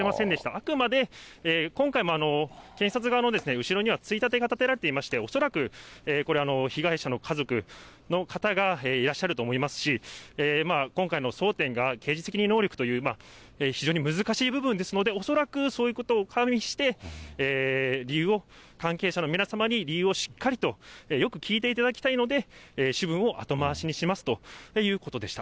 あくまで今回も検察側の後ろにはついたてが立てられていまして、恐らく、被害者の家族の方がいらっしゃると思いますし、今回の争点が刑事責任能力という非常に難しい部分ですので、恐らくそういうことを加味して、理由を関係者の皆様に理由をしっかりとよく聞いていただきたいので、主文を後回しにするということでした。